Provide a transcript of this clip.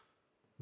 何？